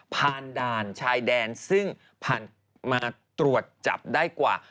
ผ่านด่านชายแดนซึ่งผ่านมาตรวจจับได้กว่า